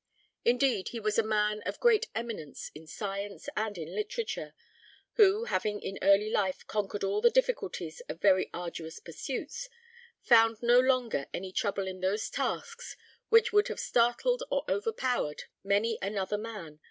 Indeed, he was a man of great eminence in science and in literature, who, having in early life conquered all the difficulties of very arduous pursuits, found no longer any trouble in those tasks which would have startled or overpowered many another man.